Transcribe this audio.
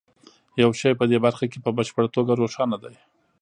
یو شی په دې برخه کې په بشپړه توګه روښانه دی